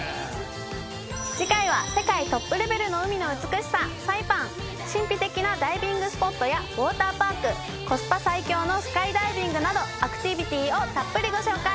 次回は世界トップレベルの海の美しさサイパン神秘的なダイビングスポットやウォーターパークコスパ最強のスカイダイビングなどアクティビティをたっぷりご紹介！